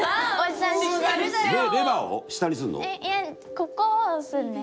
ここを押すんです。